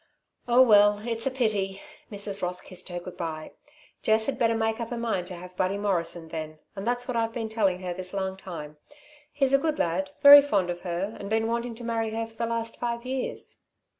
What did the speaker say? "Oh well, it's a pity!" Mrs. Ross kissed her good bye. "Jess had better make up her mind to have Buddy Morrison, then, and that's what I've been telling her this long time. He's a good lad, very fond of her, and been wanting to marry her for the last five years."